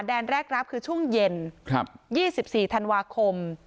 แดนแรกรับคือช่วงเย็นครับยี่สิบสี่ธันวาคม